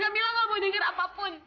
kamila gak mau denger apapun